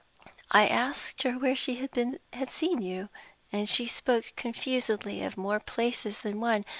I asked her where she had seen you. She spoke confusedly of more places than one.